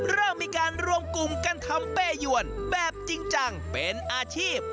เริ่มมีการรวมกลุ่มกันทำเป้ยวนแบบจริงจังเป็นอาชีพ